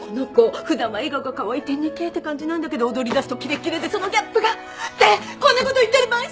普段は笑顔がカワイイ天然系って感じなんだけど踊りだすとキレキレでそのギャップが。ってこんなこと言ってる場合じゃないの！